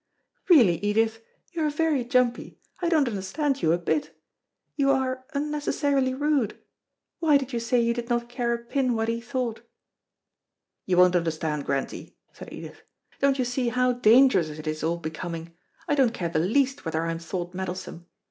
"Really, Edith, you are very jumpy; I don't understand you a bit. You are unnecessarily rude. Why did you say you did not care a pin what he thought?" "You won't understand, Grantie," said Edith. "Don't you see how dangerous it is all becoming? I don't care the least whether I am thought meddlesome.